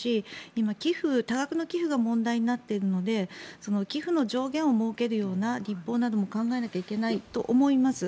今、多額の寄付が問題になっているので寄付の上限を設けるような立法なども考えなきゃいけないと思います。